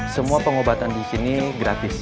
semua pengobatan disini gratis